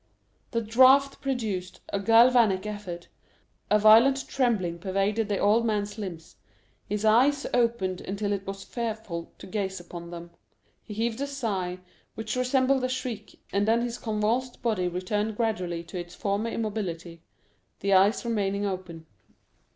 0255m The draught produced a galvanic effect, a violent trembling pervaded the old man's limbs, his eyes opened until it was fearful to gaze upon them, he heaved a sigh which resembled a shriek, and then his convulsed body returned gradually to its former immobility, the eyes remaining open.